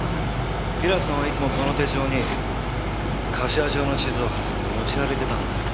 ヒラさんはいつもこの手帳に柏町の地図を挟んで持ち歩いてたんだよ。